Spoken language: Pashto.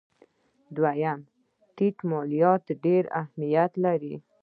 دویم: ټیټ مالیات ډېر اهمیت لري.